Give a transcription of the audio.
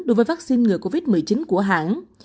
đối với vaccine ngừa covid một mươi chín của hãng